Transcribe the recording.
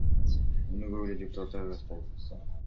Муну көп эле депутаттар ырастайт.